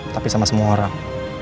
tapi sama semua orang